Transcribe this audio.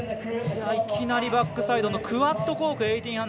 いきなりバックサイドのクワッドコーク１８００。